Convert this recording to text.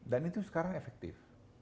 dan itu sekarang efektif